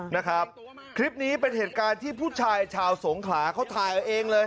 นะครับคลิปนี้เป็นเหตุการณ์ที่ผู้ชายชาวสงขลาเขาถ่ายเอาเองเลย